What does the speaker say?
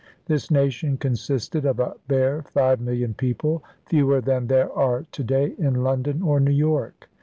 This nation consisted of a bare five million people, fewer than there are to day in London or New York.